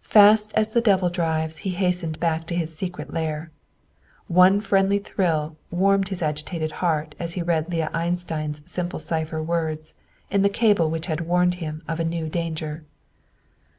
Fast as the devil drives he hastened back to his secret lair. One friendly thrill warmed his agitated heart as he read Leah Einstein's simple cipher words, in the cable which warned him of a new danger.